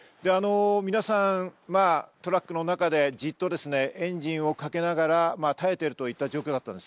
皆さんトラックの中で、じっとエンジンをかけながら耐えているといった状況だったんです。